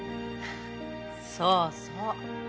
そうそう。